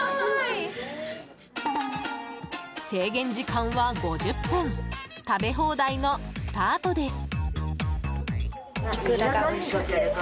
制限時間は５０分食べ放題のスタートです。